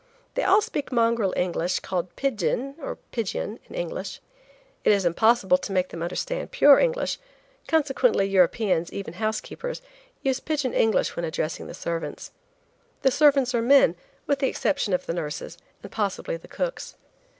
They all speak mongrel English, called "pidgin" or "pigeon" English. It is impossible to make them understand pure English, consequently Europeans, even housekeepers, use pidgin English when addressing the servants. The servants are men, with the exception of the nurses, and possibly the cooks.